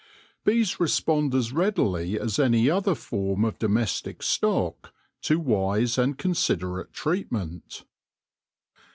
Bees respond as readily as any other form of domestic stock to wise and considerate treatment.